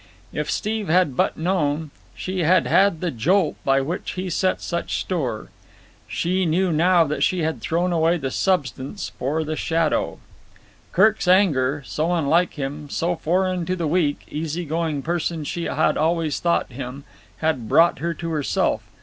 If Steve had but known, she had had the "jolt" by which he set such store. She knew now that she had thrown away the substance for the shadow. Kirk's anger, so unlike him, so foreign to the weak, easy going person she had always thought him, had brought her to herself.